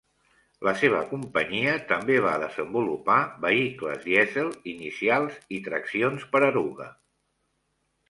La seva companyia també va desenvolupar vehicles dièsel inicials i traccions per eruga.